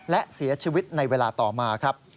และเสียชีวิตในเวลาต่อมาครับ